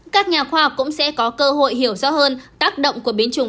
các nhà khoa học cũng sẽ có cơ hội hiểu rõ hơn tác động của biến chủng